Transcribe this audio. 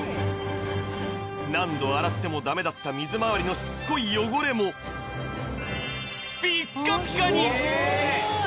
何度洗ってもダメだった水回りのしつこい汚れもピッカピカに！